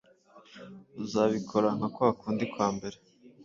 uzabikora nka kwakundi kwambere.